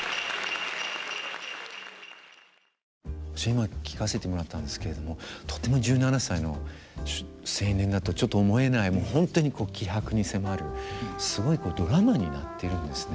今聴かせてもらったんですけれどもとても１７歳の青年だとちょっと思えない本当に気迫に迫るすごいドラマになってるんですね。